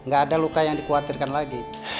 gak ada luka yang dikhawatirkan lagi